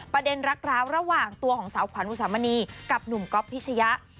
รักร้าวระหว่างตัวของสาวขวัญอุสามณีกับหนุ่มก๊อฟพิชยะ